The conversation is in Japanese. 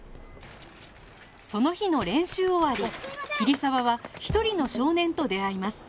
その日の練習終わり桐沢は一人の少年と出会います